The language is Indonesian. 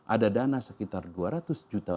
ada dana sekitar dua ratus juta